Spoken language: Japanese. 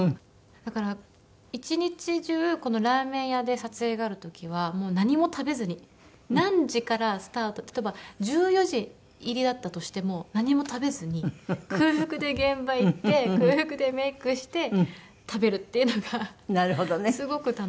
だから一日中このラーメン屋で撮影がある時はもう何も食べずに何時からスタート例えば１４時入りだったとしても何も食べずに空腹で現場行って空腹でメイクして食べるっていうのがすごく楽しみ。